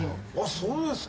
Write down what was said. そうですか。